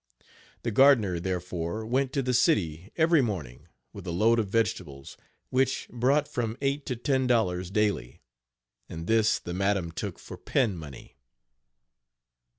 The gardner, therefore, went to the city, every morning, with a load of vegetables, which brought from eight to ten dollars daily, and this the madam took for "pin money."